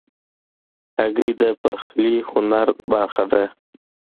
هګۍ د پخلي هنر برخه ده.